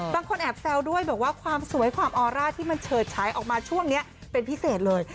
บางคนแอบแซวด้วยบอกว่าความสวยความออร่าที่มันเฉิดฉายออกมาช่วงนี้เป็นพิเศษเลย